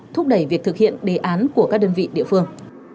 thúc đẩy việc thực hiện đề án của các đơn vị địa phương